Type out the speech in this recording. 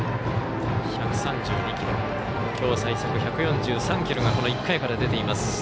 きょう最速１４３キロがこの１回から出ています。